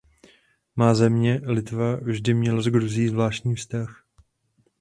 Má země, Litva, vždy měla s Gruzií zvláštní vztah.